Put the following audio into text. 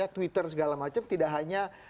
twitter segala macam tidak hanya